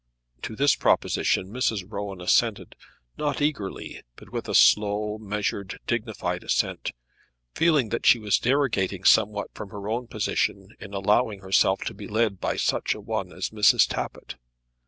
To this proposition Mrs. Rowan assented, not eagerly, but with a slow, measured, dignified assent, feeling that she was derogating somewhat from her own position in allowing herself to be led by such a one as Mrs. Tappitt.